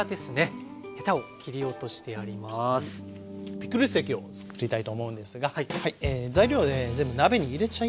ピクルス液をつくりたいと思うんですが材料ね全部鍋に入れちゃいましょう。